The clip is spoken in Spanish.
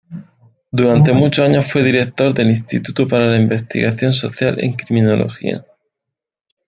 Durante muchos años fue director del "Instituto para la Investigación Social en Criminología".